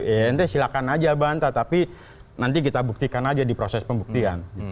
ya nanti silakan aja bantah tapi nanti kita buktikan aja di proses pembuktian